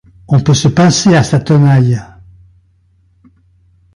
On peut se pincer à sa tenaille.